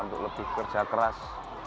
untuk lebih kerja keras